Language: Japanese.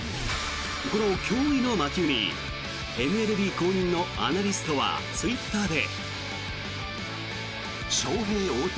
この驚異の魔球にＭＬＢ公認のアナリストはツイッターで。